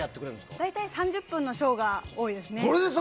大体３０分のショーが多いですね。